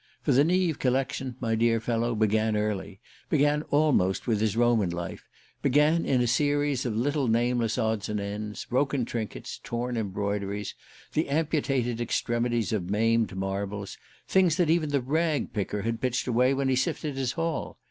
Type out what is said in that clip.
For the Neave collection, my dear fellow, began early, began almost with his Roman life, began in a series of little nameless odds and ends, broken trinkets, torn embroideries, the amputated extremities of maimed marbles: things that even the rag picker had pitched away when he sifted his haul.